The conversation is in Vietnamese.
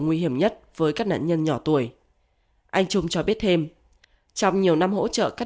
nguy hiểm nhất với các nạn nhân nhỏ tuổi anh trung cho biết thêm trong nhiều năm hỗ trợ các